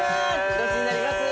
ごちになります。